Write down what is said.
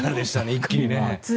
一気にね。